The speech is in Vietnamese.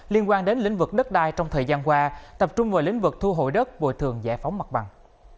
liên quan đến lĩnh vực đất đai trong thời gian qua tập trung vào lĩnh vực thu hội đất bồi thường giải phóng mặt bằng